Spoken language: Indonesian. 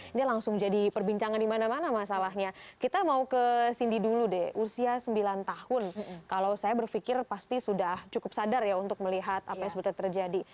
ini langsung jadi perbincangan dimana mana masalahnya kita mau ke cindy dulu deh usia sembilan tahun kalau saya berpikir pasti sudah cukup sadar ya untuk melihat apa yang sebetulnya terjadi